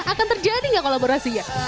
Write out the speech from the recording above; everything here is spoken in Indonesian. akan terjadi enggak kolaborasinya